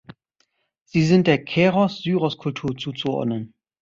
Sie sind der Keros-Syros-Kultur zuzuordnen.